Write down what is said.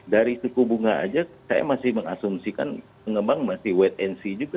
dari suku bunga aja saya masih mengasumsikan pengembang masih wait and see juga